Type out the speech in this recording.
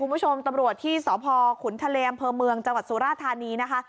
คุณผู้ชมตำรวจที่สพขุนทะเลอำเภอเมืองจังหวัดสุราธานีนะคะ